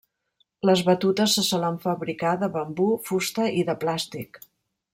Les batutes se solen fabricar de bambú, fusta i de plàstic.